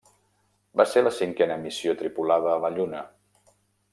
Va ser la cinquena missió tripulada a la Lluna.